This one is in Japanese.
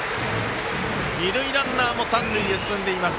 二塁ランナーも三塁へ進んでいます。